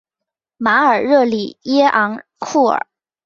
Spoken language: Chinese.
马尔热里耶昂库尔。